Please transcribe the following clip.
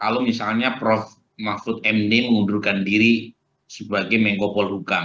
kalau misalnya prof mahfud md mengundurkan diri sebagai menkopol hukam